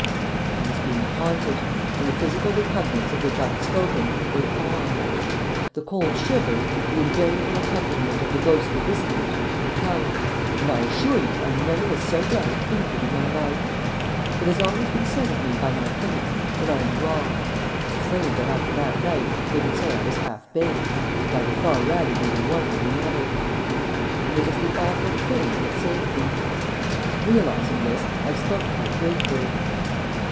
I was being haunted, and the physical repugnance of which I have spoken was on. The cold shiver, the invariable accompaniment of the ghostly visitant, had come, and I assure you I never was so glad of anything in my life. It has always been said of me by my critics that I am raw; I was afraid that after that night they would say I was half baked, and I would far rather be the one than the other; and it was the Awful Thing that saved me. Realizing this, I spoke to it gratefully.